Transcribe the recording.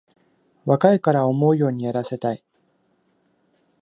若いから思うようにやらせたい